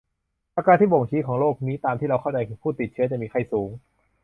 อาการที่บ่งชี้ของโรคนี้ตามที่เราเข้าใจคือผู้ติดเชื้อจะมีไข้สูง